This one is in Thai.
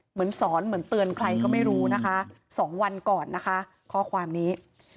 เหมือนสอนเหมือนเตือนใครก็ไม่รู้นะคะ๒วันก่อนนะคะข้อความนี้